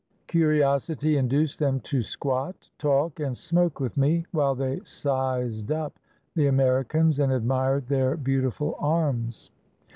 Curiosity induced them to squat, talk, and smoke with me, while they "sized up" the Ameri cans and admired their beautiful arms.